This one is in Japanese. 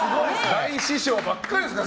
大師匠ばっかりですから！